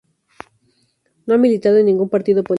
No ha militado en ningún partido político.